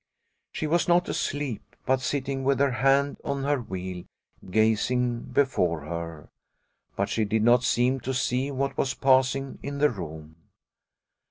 She was not asleep, but sitting with her hand on her wheel, gazing before her. But she did not seem to see what was passing in the room.